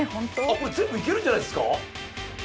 これ全部いけるんじゃないですか？